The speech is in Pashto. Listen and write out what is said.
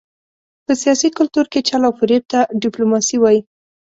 په سیاسي کلتور کې چل او فرېب ته ډیپلوماسي وايي.